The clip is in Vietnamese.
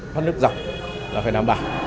thoát nước dọc là phải đảm bảo